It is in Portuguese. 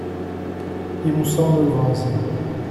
Emoção nervosa